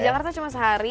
di jakarta cuma sehari